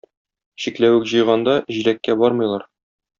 Чикләвек җыйганда җиләккә бармыйлар.